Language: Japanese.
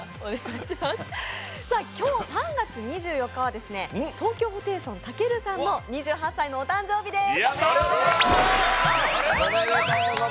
今日３月２４日は東京ホテイソン、たけるさんの２８歳のお誕生日です。